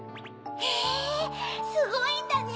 へぇすごいんだね！